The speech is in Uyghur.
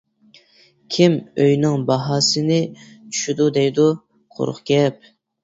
-كىم ئۆينىڭ باھاسىنى چۈشىدۇ دەيدۇ؟ قۇرۇق گەپ.